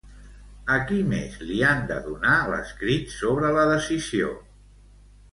A qui més li han de donar l'escrit sobre la decisió?